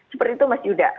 seperti itu mas yuda